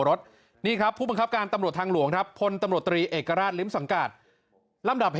รถนี่ครับผู้บังคับการตำหลวงครับ